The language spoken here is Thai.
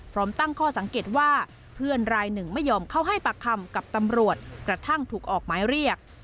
พร้อมตั้งข้อสังเกตว่าเพื่อนรายหนึ่งไม่ยอมเข้าให้ปากคำกับตำรวจกระทั่งถูกออกหมายเรียก